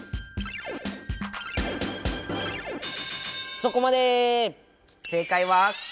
そこまで！